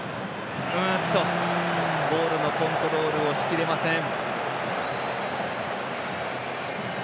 ボールのコントロールをしきれません。